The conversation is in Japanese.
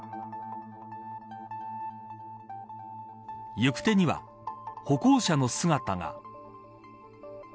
行く手には歩行者の姿が。